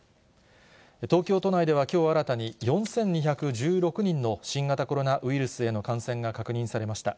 東京都内ではきょう新たに４２１６人の新型コロナウイルスへの感染が確認されました。